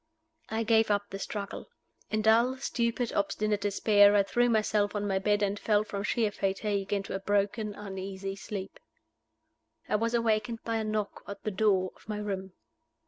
I gave up the struggle. In dull, stupid, obstinate despair, I threw myself on my bed, and fell from sheer fatigue into a broken, uneasy sleep. I was awakened by a knock at the door of my room.